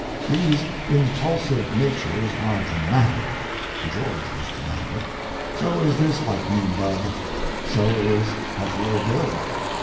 These impulsive natures are dramatic. George was dramatic, so is this Lightning Bug, so is Buffalo Bill.